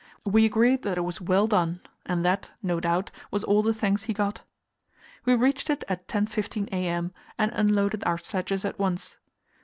We agreed that it was well done, and that, no doubt, was all the thanks he got. We reached it at 10.15 a.m., and unloaded our sledges at once.